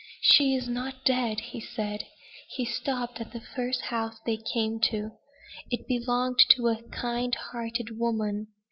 "She is not dead!" he said. He stopped at the first house they came to. It belonged to a kind hearted woman.